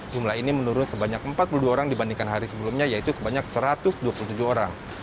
jumlah ini menurun sebanyak empat puluh dua orang dibandingkan hari sebelumnya yaitu sebanyak satu ratus dua puluh tujuh orang